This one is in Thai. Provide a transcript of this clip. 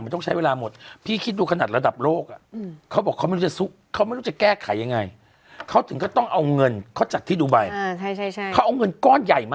ธนวาคมนั้นคือสิ้นปี